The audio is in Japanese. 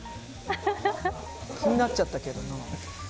気になっちゃったけどな。